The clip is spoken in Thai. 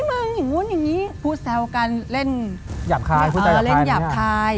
มึงอย่างนู้นอย่างนี้พูดแซวกันเล่นหยาบคายเล่นหยาบคาย